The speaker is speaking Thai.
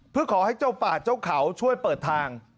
เพื่อขอให้เจ้าป่าเจ้าเขาช่วยเปิดทาง